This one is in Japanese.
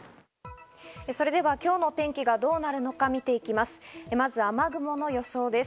それでは今日のお天気がどうなるのか見ていきます。